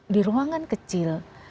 di ruangan kecil